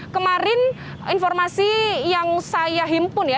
kemarin informasi yang saya himpun ya